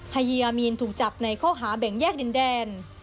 ฮียมีนถูกจับในข้อหาแบ่งแยกดินแดน